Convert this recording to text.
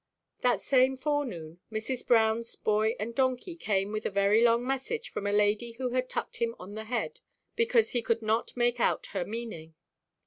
That same forenoon, Mrs. Brownʼs boy and donkey came with a very long message from a lady who had tucked him on the head because he could not make out her meaning.